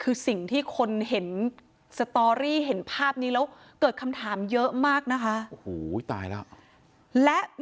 คือสิ่งที่คนเห็นสตอรี่เห็นภาพนี้แล้ว